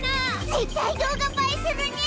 絶対動画映えするね！